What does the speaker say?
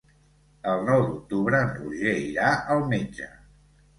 El nou d'octubre en Roger irà al metge.